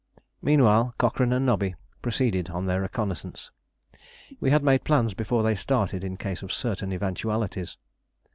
Meanwhile Cochrane and Nobby proceeded on their reconnaissance. We had made plans before they started in case of certain eventualities.